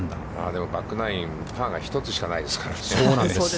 でも、バックナイン、パーが１つしかないですからね。